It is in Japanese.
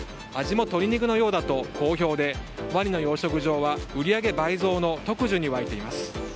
味も鶏肉のようだと好評でワニの養殖場は売上倍増の特需に沸いています。